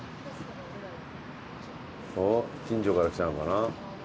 あっ近所から来たのかな？